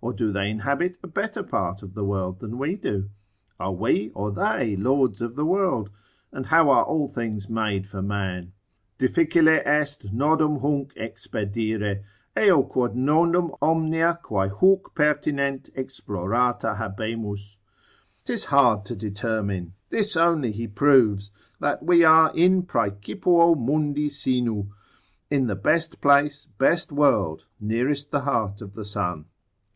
or do they inhabit a better part of the world than we do? Are we or they lords of the world? And how are all things made for man? Difficile est nodum hunc expedire, eo quod nondum omnia quae huc pertinent explorata habemus: 'tis hard to determine: this only he proves, that we are in praecipuo mundi sinu, in the best place, best world, nearest the heart of the sun.